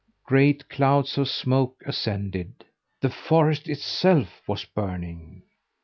Great clouds of smoke ascended; the forest itself was burning!